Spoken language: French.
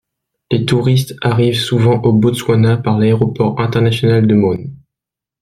Les touristes arrivent souvent au Botswana par l'aéroport international de Maun.